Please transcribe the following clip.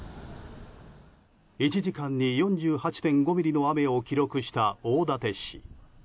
１時間に４８．５ミリの雨を記録した大館市。